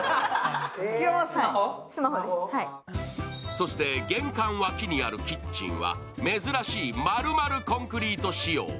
そして、玄関脇にあるキッチンは珍しい丸々コンクリート仕様。